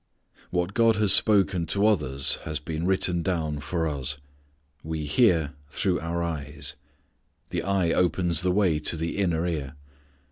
What God has spoken to others has been written down for us. We hear through our eyes. The eye opens the way to the inner ear.